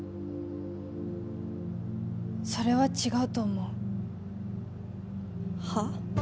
それは違うと思うはあ？